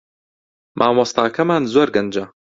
مامۆستاکەمان زۆر گەنجە